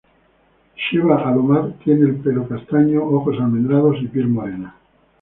Sheva Alomar tiene el pelo castaño, ojos almendrados, y piel morena.